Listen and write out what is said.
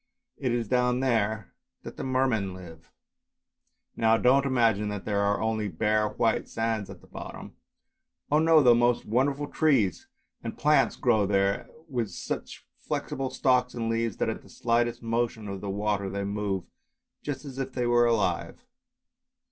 It is down there that the Mermen live. Now don't imagine that there are only bare white sands at the bottom; oh no! the most wonderful trees and plants grow there, with such flexible stalks and leaves, that at the slightest motion of the water they move just as if they were alive.